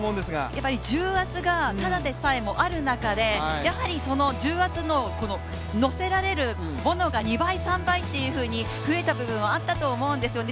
やはり重圧がただでさえある中で、重圧の、のせられるものが２倍、３倍というふうに増えたものもあったと思うんですね